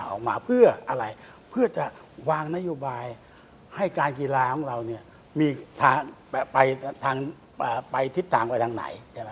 ออกมาเพื่ออะไรเพื่อจะวางนโยบายให้การกีฬาของเรามีทางไปทิศทางไปทางไหน